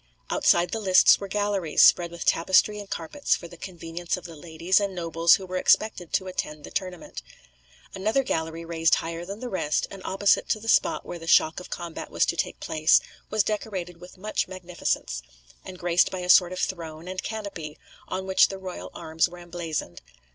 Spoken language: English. Outside the lists were galleries, spread with tapestry and carpets, for the convenience of the ladies and nobles who were expected to attend the tournament. Another gallery raised higher than the rest, and opposite to the spot where the shock of combat was to take place, was decorated with much magnificence, and graced by a sort of throne and canopy, on which the royal arms were emblazoned.